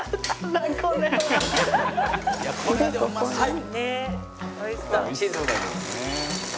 「これはでもうまそう」